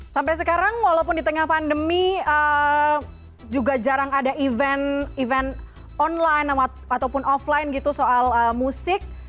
sampai sekarang walaupun di tengah pandemi juga jarang ada event online ataupun offline gitu soal musik